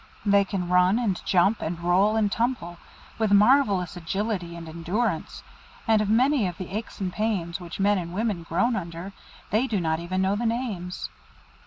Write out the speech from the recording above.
They can run and jump, and roll and tumble, with marvellous agility and endurance, and of many of the aches and pains which men and women groan under, they do not even know the names.